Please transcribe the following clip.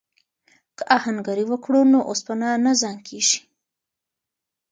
که آهنګري وکړو نو اوسپنه نه زنګ کیږي.